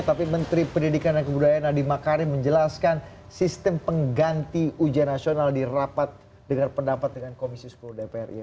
tapi menteri pendidikan dan kebudayaan nadi makarim menjelaskan sistem pengganti ujian nasional dirapat dengan pendapat dengan komisi sepuluh dprm